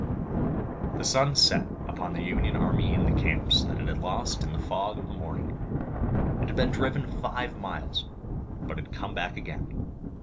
The sun set upon the Union army in the camps that it had lost in the fog of the morning. It had been driven five miles but had come back again.